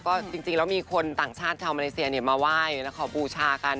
ก็จริงจริงเรามีคนต่างชาติแถวมาไหว้แล้วเขาบูชากัน